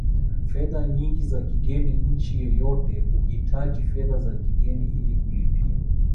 fedha nyingi za kigeni nchi yoyote huhitaji fedha za kigeni ili kulipia